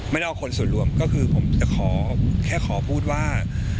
ไม่ได้เอาคนส่วนรวมก็คือผมจะขอแค่ขอพูดว่า